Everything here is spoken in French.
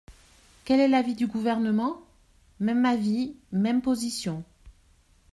Quel est l’avis du Gouvernement ? Même avis, même position.